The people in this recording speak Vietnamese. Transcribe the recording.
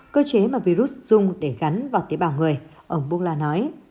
cơ chế mà virus dùng để gắn vào tế bào người ông bukla nói